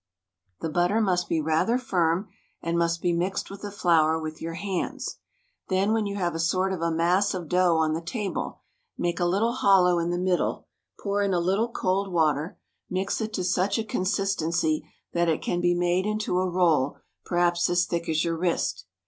The butter must be rather firm and must be mixed with the flour with your hands. Then when you have a sort of a mass of dough on the table, make a little hollow in the middle, pour in a little cold water, mix it to such a consistency that it can be made into a roll perhaps as thick as your wrist.